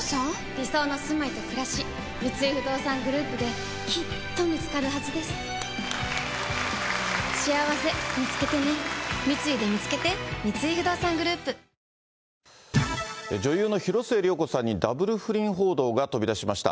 理想のすまいとくらし三井不動産グループできっと見つかるはずですしあわせみつけてね三井でみつけて女優の広末涼子さんにダブル不倫報道が飛び出しました。